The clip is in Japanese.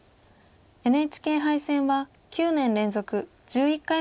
ＮＨＫ杯戦は９年連続１１回目の出場です。